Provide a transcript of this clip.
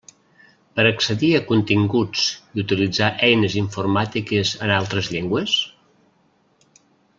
Per accedir a continguts i utilitzar eines informàtiques en altres llengües?